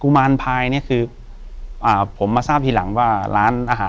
กุมารพายคือเหมือนกับว่าเขาจะมีอิทธิฤทธิ์ที่เยอะกว่ากุมารทองธรรมดา